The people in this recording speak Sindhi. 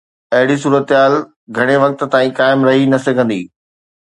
اهڙي صورتحال گهڻي وقت تائين قائم رهي نه سگهندي.